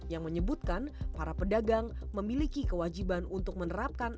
yang menyebutkan para pedagang memiliki kewajiban untuk menerapkan